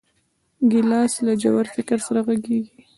ګیلاس له ژور فکر سره غږېږي.